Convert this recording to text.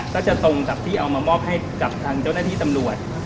ก็จะตรงกับที่เอามามอบให้กับทางเจ้าหน้าที่ตำรวจ